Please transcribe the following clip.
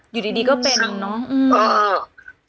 อยู่ดีก็เป็นเนาะ